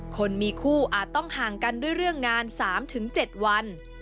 คนมีคู่อาจต้องห่างกันด้วยเรื่องงาน๓๗วัน